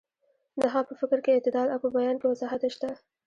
د هغه په فکر کې اعتدال او په بیان کې وضاحت شته.